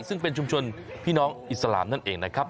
ซึ่งเป็นชุมชนพี่น้องอิสลามนั่นเองนะครับ